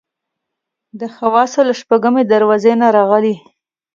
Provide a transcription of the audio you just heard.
د حواسو له شپږمې دروازې نه راغلي.